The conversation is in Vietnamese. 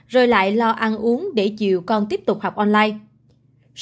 rồi lại lo ăn uống để chiều con tiếp tục học online